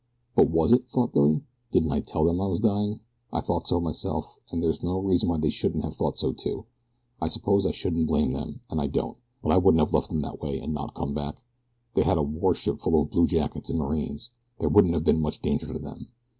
"But was it?" thought Billy. "Didn't I tell them that I was dying? I thought so myself, and there is no reason why they shouldn't have thought so too. I suppose I shouldn't blame them, and I don't; but I wouldn't have left them that way and not come back. They had a warship full of blue jackets and marines there wouldn't have been much danger to them."